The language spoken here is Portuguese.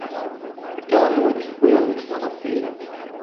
Aquela noite foi a última da feira.